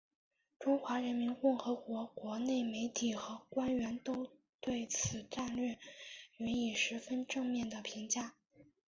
中华人民共和国国内媒体和官员都对此战略予以十分正面的评价。